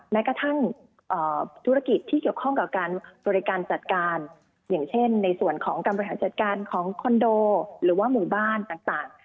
แม้กระทั่งธุรกิจที่เกี่ยวข้องกับการบริการจัดการอย่างเช่นในส่วนของการบริหารจัดการของคอนโดหรือว่าหมู่บ้านต่าง